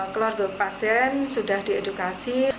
keluarga pasien sudah hidup di ruang isolasi khusus